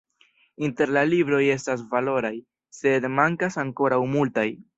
Inter la libroj estas valoraj, sed mankas ankoraŭ multaj.